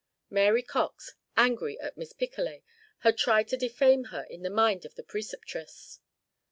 Mary Cox, angry at Miss Picolet, had tried to defame her in the mind of the Preceptress.